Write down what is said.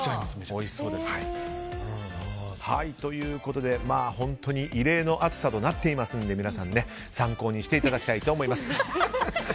おいしそうですね。ということで本当に異例の暑さとなっていますので皆さん、参考にしていただきたいと思います。